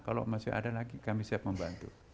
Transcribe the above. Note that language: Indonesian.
kalau masih ada lagi kami siap membantu